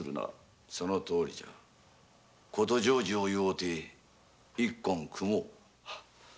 そのとおりじゃ事成就を祝って一献くもう。